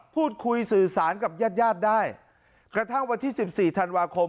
พูดคุยสื่อสารกับญาติญาติได้กระทั่งวันที่สิบสี่ธันวาคม